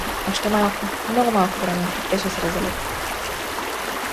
Още малко, много малко време, и те ще се разделят.